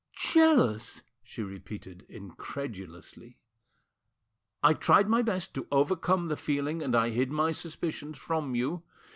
"Jealous!" she repeated incredulously. "I tried my best to overcome the feeling, and I hid my suspicions from you.